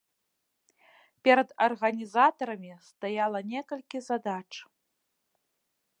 Перад арганізатарамі стаяла некалькі задач.